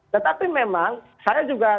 tetapi memang saya juga